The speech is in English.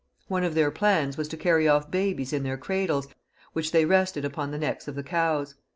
One of their plans was to carry off babies in their cradles, which they rested upon the necks of the cows.